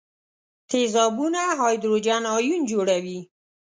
تیزابونه هایدروجن ایون جوړوي.